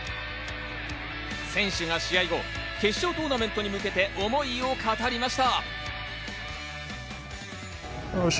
選手が試合後、決勝トーナメントに向けて思いを語りました。